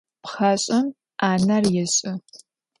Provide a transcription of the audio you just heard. Pxhaş'em 'aner yêş'ı.